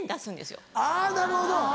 あぁなるほど。